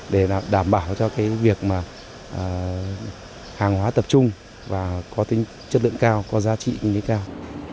để đảm bảo cho việc hàng hóa tập trung và có chất lượng cao có giá trị cao